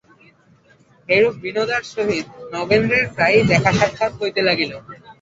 এইরূপে বিনোদার সহিত নগেন্দ্রের প্রায়ই দেখাসাক্ষাৎ হইতে লাগিল।